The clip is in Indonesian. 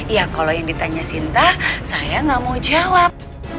iya kalau yang ditanya sinta saya gak mau jawab